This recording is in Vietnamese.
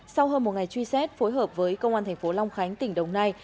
sau hơn một ngày truy xét phối hợp với công an thành phố long khánh tỉnh đồng nai